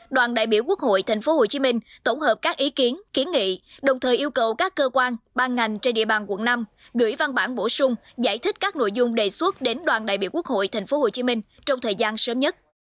đoàn đại biểu quốc hội tp hcm tổng hợp các ý kiến kiến nghị đồng thời yêu cầu các cơ quan ban ngành trên địa bàn quận năm gửi văn bản bổ sung giải thích các nội dung đề xuất đến đoàn đại biểu quốc hội tp hcm trong thời gian sớm nhất